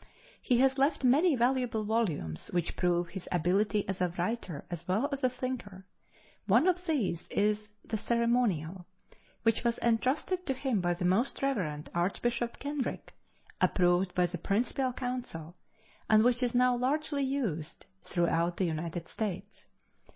He has left many valuable volumes which prove his ability as a writer as well as a thinker. One of these is the "Ceremonial," which was entrusted to him by the Most Rev. Archbishop Kenrick, approved by the Provincial Council, and which is now largely used throughout the United States.